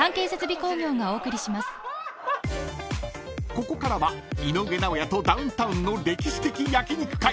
［ここからは井上尚弥とダウンタウンの歴史的焼肉会］